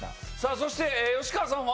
そして吉川さんは？